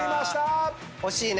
惜しいね。